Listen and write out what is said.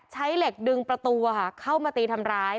ใช้เหล็กดึงประตูเข้ามาตีทำร้าย